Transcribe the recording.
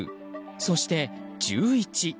そして１１。